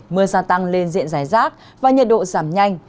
mưa gia tăng lên diện giải rác và nhiệt độ giảm nhanh